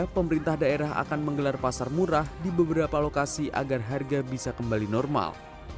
pemerintah daerah akan menggelar pasar murah di beberapa lokasi agar harga bisa kembali normal